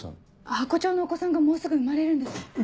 ハコ長のお子さんがもうすぐ生まれるんです。